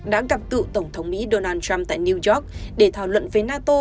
đã gặp cựu tổng thống mỹ donald trump tại new york để thảo luận với nato